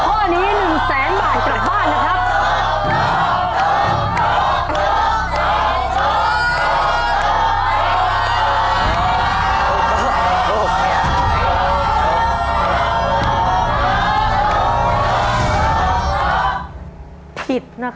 ถ้าถูกข้อนี้หนึ่งแสนบาทกลับบ้านนะครับ